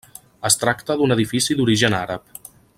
Es tracta d'un edifici d'origen àrab.